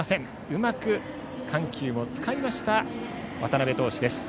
うまく緩急も使いました渡部投手。